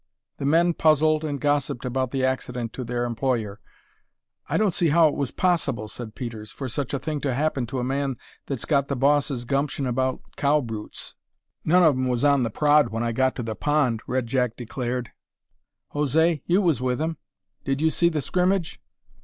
The men puzzled and gossiped about the accident to their employer. "I don't see how it was possible," said Peters, "for such a thing to happen to a man that's got the boss's gumption about cow brutes." "None of 'em was on the prod when I got to the pond," Red Jack declared. "José, you was with him. Did you see the scrimmage?"